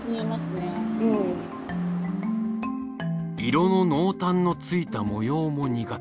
色の濃淡のついた模様も苦手。